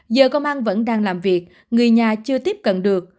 giờ công an vẫn đang làm việc người nhà chưa tiếp cận được